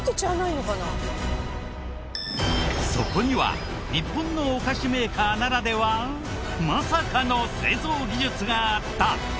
そこには日本のお菓子メーカーならではまさかの製造技術があった！